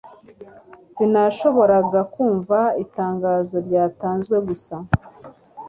sinashoboraga kumva itangazo ryatanzwe gusa